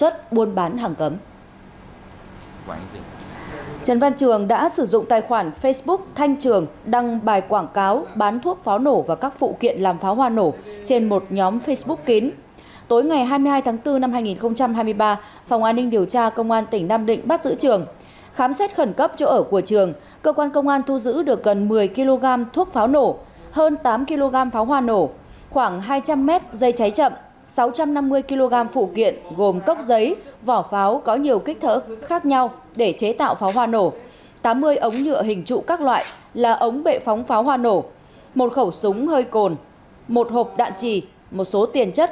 tối ngày hai mươi hai tháng bốn năm hai nghìn hai mươi ba phòng an ninh điều tra công an tỉnh nam định bắt giữ trường khám xét khẩn cấp chỗ ở của trường cơ quan công an thu giữ được gần một mươi kg thuốc pháo nổ hơn tám kg pháo hoa nổ khoảng hai trăm linh m dây cháy chậm sáu trăm năm mươi kg phụ kiện gồm cốc giấy vỏ pháo có nhiều kích thở khác nhau để chế tạo pháo hoa nổ tám mươi ống nhựa hình trụ các loại là ống bệ phóng pháo hoa nổ một khẩu súng hơi cồn một hộp đạn trì một số tiền chất